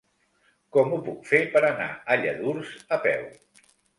Com ho puc fer per anar a Lladurs a peu?